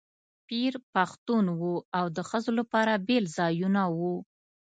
پیر پښتون و او د ښځو لپاره بېل ځایونه وو.